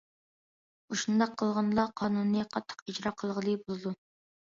مۇشۇنداق قىلغاندىلا، قانۇننى قاتتىق ئىجرا قىلغىلى بولىدۇ.